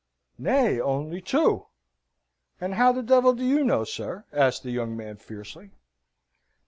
"Nay, only two." "And how the devil do you know, sir?" asks the young man, fiercely.